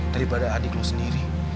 daripada adik lu sendiri